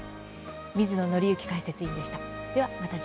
水野倫之解説委員でした。